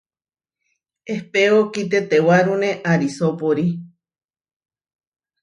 Ehpéo kitetewárune arisópori.